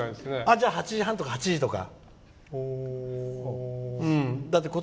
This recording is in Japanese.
じゃあ８時半とか８時とか。